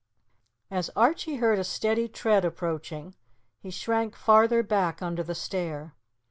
As Archie heard a steady tread approaching, he shrank farther back under the stair.